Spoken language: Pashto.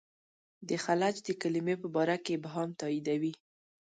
د خلج د کلمې په باره کې ابهام تاییدوي.